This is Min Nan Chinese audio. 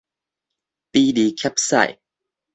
鄙厘怯屎